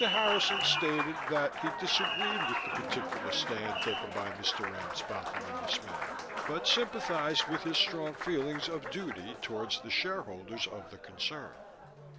Harrison stated that he disagreed with the particular stand taken by Mr. Ramsbotham in this matter, but sympathized with his strong feelings of duty toward the shareholders of the concern.